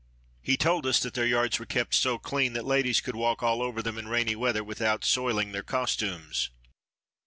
He told us that their yards were kept so clean that ladies could walk all over them in rainy weather without soiling their costumes.